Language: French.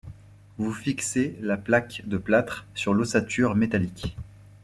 Vous fixez la plaque de plâtre sur l’ossature métallique